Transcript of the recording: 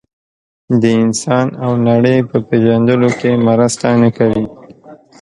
د انسان او نړۍ په پېژندلو کې مرسته نه کوي.